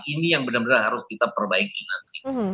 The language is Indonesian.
ini yang benar benar harus kita perbaiki nanti